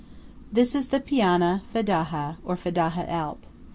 This is the Pianna Fedaja, or Fedaja Alp.